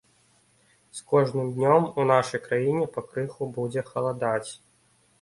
З кожным днём у нашай краіне пакрыху будзе халадаць.